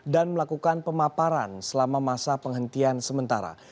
dan melakukan pemaparan selama masa penghentian sementara